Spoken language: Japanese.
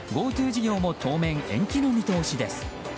ＧｏＴｏ事業も当面延期の見通しです。